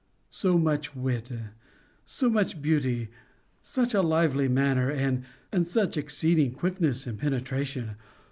So much wit, so much beauty, such a lively manner, and such exceeding quickness and penetration!